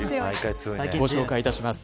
ご紹介いたします。